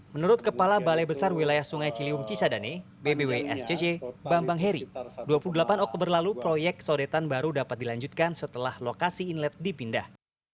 menurut kepala balai besar wilayah sungai ciliwung cisadane bbw scc bambang heri dua puluh delapan oktober lalu proyek sodetan baru dapat dilanjutkan setelah lokasi inlet dipindah